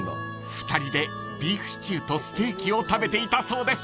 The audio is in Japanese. ［２人でビーフシチューとステーキを食べていたそうです］